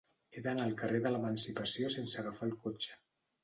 He d'anar al carrer de l'Emancipació sense agafar el cotxe.